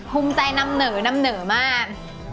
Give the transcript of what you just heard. ภูมิใจนำเหนอมาก